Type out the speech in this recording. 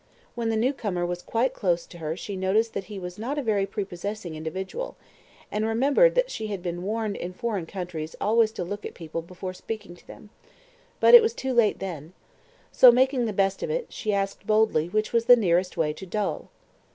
When the new comer was quite close to her she noticed that he was not a very prepossessing individual, and remembered that she had been warned in foreign countries always to look at people before speaking to them. But it was too late then. So making the best of it, she asked boldly which was the nearest way to Dol.